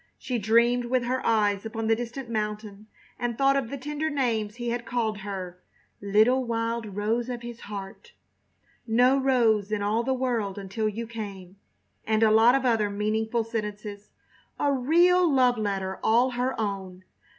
She dreamed with her eyes upon the distant mountain and thought of the tender names he had called her: "Little wild Rose of his heart," "No rose in all the world until you came," and a lot of other meaningful sentences. A real love letter all her own!